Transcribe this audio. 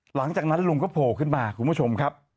หลังจากนั้นลุงก็โผล่ขึ้นมาคุณผู้ชมครับ